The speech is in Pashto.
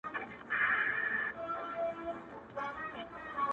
خو چي زه مي د مرګي غېږي ته تللم!!